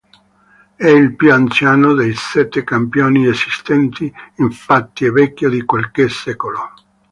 È il più anziano dei sette Campione esistenti, infatti è vecchio di qualche secolo.